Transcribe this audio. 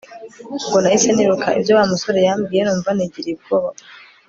ubwo nahise nibuka ibyo wamusore yambwiye numva nigiriye ubwoba gusa